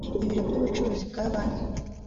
ibiro by’ubucuruzi bya banki